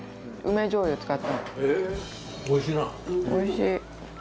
おいしい。